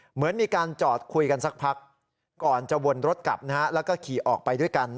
เหมือนมีการจอดคุยกันสักพักก่อนจะวนรถกลับแล้วก็ขี่ออกไปด้วยกัน